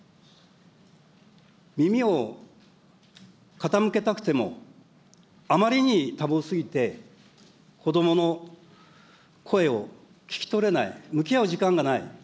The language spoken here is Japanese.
耳を傾けたくても、あまりに多忙すぎて子どもの声を聞き取れない、向き合う時間がない。